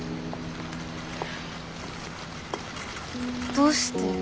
どうして？